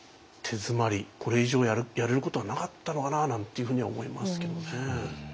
これ以上やれることはなかったのかなあなんていうふうには思いますけどね。